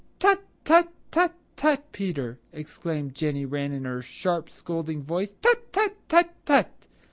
"Tut, tut, tut, tut, Peter!" exclaimed Jenny Wren in her sharp, scolding voice. "Tut, tut, tut, tut!